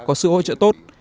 có sự hỗ trợ tốt